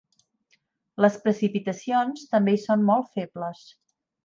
Les precipitacions també hi són molt febles.